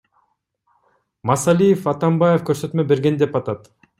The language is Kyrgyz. Масалиев Атамбаев көрсөтмө берген деп атат.